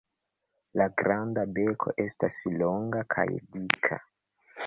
La granda beko estas longa kaj dika.